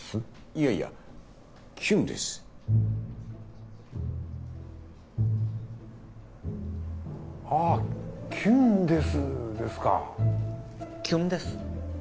いやいや「キュンです」ああ「キュンです」ですかキュンです